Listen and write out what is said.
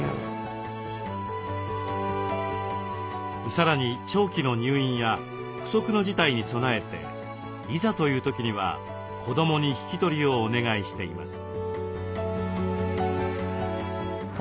さらに長期の入院や不測の事態に備えていざという時には子どもに引き取りをお願いしています。